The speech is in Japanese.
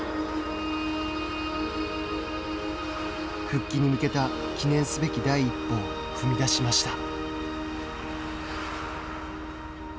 復帰に向けた記念すべき第一歩を踏み出しました。